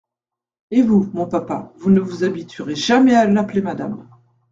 Et vous, mon papa, vous ne vous habituerez jamais à l’appeler madame !